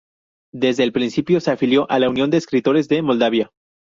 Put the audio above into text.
Desde el principio, se afilió a la Unión de Escritores de Moldavia.